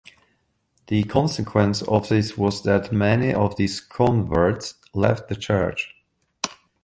The consequence of this was that many of these converts left the Church.